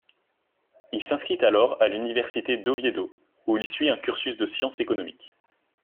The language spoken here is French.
Il s'inscrit alors à l'université d'Oviedo, où il suit un cursus de sciences économiques.